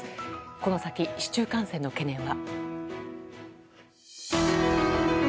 この先、市中感染の懸念は。